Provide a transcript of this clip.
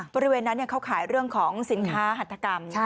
บริเวณนั้นเขาขายเรื่องของสินค้าหัตถกรรม